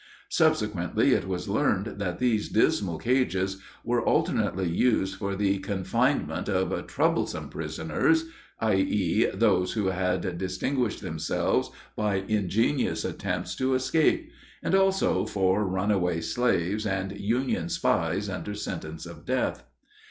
Subsequently it was learned that these dismal cages were alternately used for the confinement of "troublesome prisoners" i.e., those who had distinguished themselves by ingenious attempts to escape and also for runaway slaves, and Union spies under sentence of death.